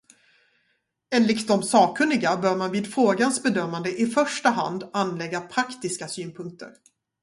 Enligt de sakkunniga bör man vid frågans bedömande i första hand anlägga praktiska synpunkter.